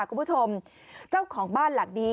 คุณผู้ชมเจ้าของบ้านหลังนี้